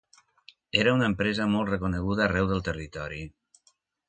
Era una empresa molt reconeguda arreu del territori.